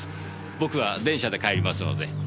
僕は電車で帰りますので。